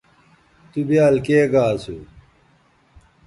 تُو بیال کے گا اسُو